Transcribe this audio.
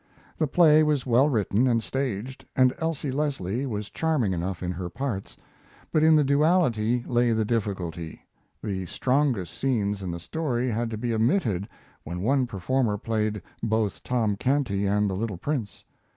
The play was well written and staged, and Elsie Leslie was charming enough in her parts, but in the duality lay the difficulty. The strongest scenes in the story had to be omitted when one performer played both Tom Canty and the little Prince.